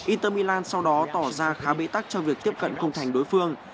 inter milan sau đó tỏ ra khá bê tắc cho việc tiếp cận cung thành đối phương